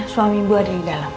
suami ibu ada di dalam